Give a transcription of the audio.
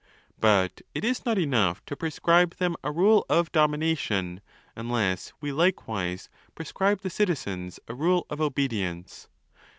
But it is not enough to prescribe them a rule of domination, unless we likewise prescribe the citizens a rule of obedience.